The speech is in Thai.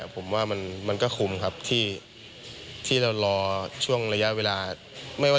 ผมว่ามันก็คุ้มครับที่เรารอช่วงระยะเวลา